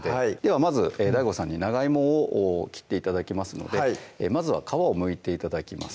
まずＤＡＩＧＯさんに長いもを切って頂きますのでまずは皮をむいて頂きます